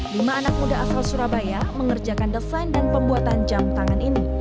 lima anak muda asal surabaya mengerjakan desain dan pembuatan jam tangan ini